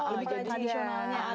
tradisionalnya empat bulan